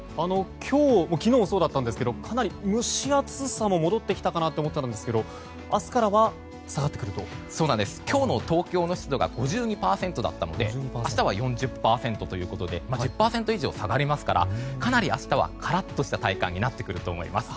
昨日もそうだったんですけどかなり蒸し暑さも戻ってきたかなと思ってたんですけど今日の東京の湿度が５２％だったので明日は４０％ということで１０％以上下がりますからかなり明日はカラッとした体感になってくると思います。